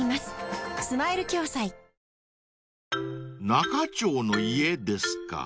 ［仲町の家ですか。